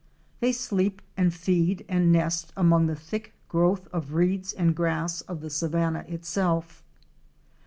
'They sleep and feed and nest among the thick growth of reeds and grass of the savanna itself.